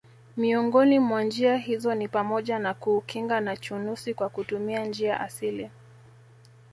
Miongoni mwa njia hizo ni pamoja na kuukinga na chunusi kwa kutumia njia asili